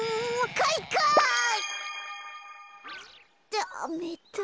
ダメだ。